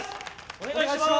お願いします。